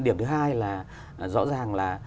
điểm thứ hai là rõ ràng là